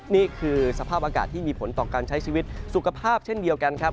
นี่คือสภาพอากาศที่มีผลต่อการใช้ชีวิตสุขภาพเช่นเดียวกันครับ